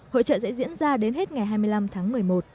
hội trợ sẽ diễn ra đến hết ngày hai mươi năm tháng một mươi một